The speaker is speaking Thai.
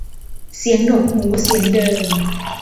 เสียงหนวกหูเสียงเดิม